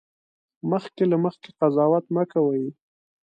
مخکې له مخکې قضاوت مه کوئ